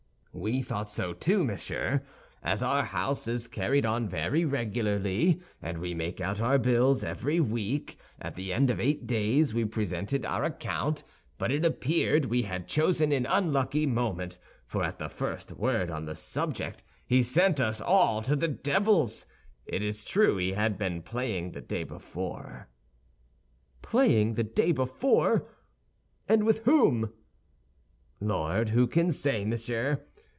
"We thought so, too, monsieur. As our house is carried on very regularly, and we make out our bills every week, at the end of eight days we presented our account; but it appeared we had chosen an unlucky moment, for at the first word on the subject, he sent us to all the devils. It is true he had been playing the day before." "Playing the day before! And with whom?" "Lord, who can say, monsieur?